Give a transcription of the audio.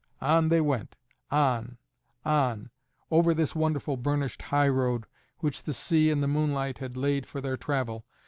On they went on, on, over this wonderful burnished highroad which the sea and the moonlight had laid for their travel.